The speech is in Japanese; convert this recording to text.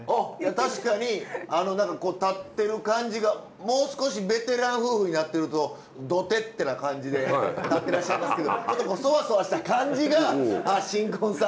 確かに何か立ってる感じがもう少しベテラン夫婦になってるとどてってな感じで立ってらっしゃいますけどちょっとソワソワした感じが新婚さんなんだなっていう。